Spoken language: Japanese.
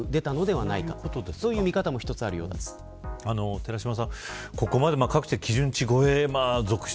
寺嶋さん、ここまで各地で基準値超え続出